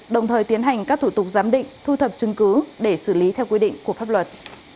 đồng thời tiến hành các thủ tục giám định thu thập chứng cứ để xử lý theo quy định của pháp luật